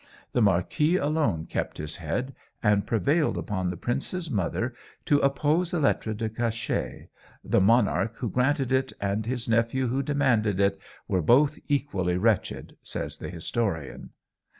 The marquis alone kept his head, and prevailed upon the prince's mother to oppose the lettre de cachet. "The monarch who granted it, and his nephew who demanded it, were both equally wretched," says the historian.